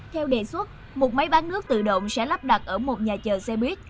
theo đề xuất một máy bán nước tự động sẽ lắp đặt ở một nhà chờ xe buýt